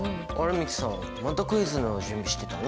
美樹さんまたクイズの準備してたの？